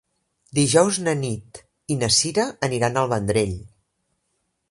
Dijous na Nit i na Sira aniran al Vendrell.